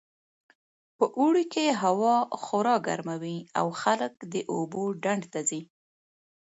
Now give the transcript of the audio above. په اوړي کې هوا خورا ګرمه وي او خلک د اوبو ډنډ ته ځي